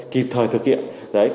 kịp thời thực hiện